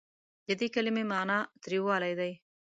د دې کلمې معني تریوالی دی.